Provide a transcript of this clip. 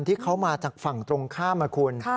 ที่เขามาจากฝั่งตรงข้ามนะคุณ